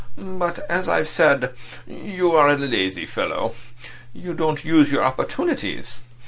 "But, as I've said, you are a lazy fellow; you don't use your opportunities.